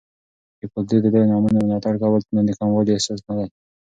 د کلتور د لویو انعامونو ملاتړ کول، نو د کموالي احساس نه دی.